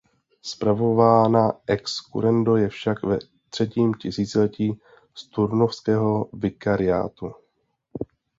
Spravována excurrendo je však ve třetím tisíciletí z turnovského vikariátu.